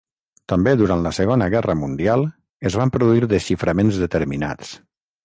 També durant la Segona Guerra Mundial es van produir desxiframents determinants.